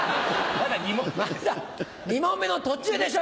まだ２問目の途中でしょ！